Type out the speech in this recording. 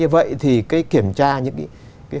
vậy thì kiểm tra những cái